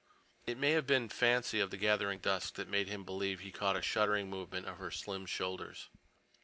It may have been fancy of the gathering dusk, that made him believe he caught a shuddering movement of her slim shoulders.